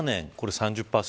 ３０％